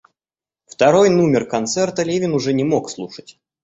Второй нумер концерта Левин уже не мог слушать.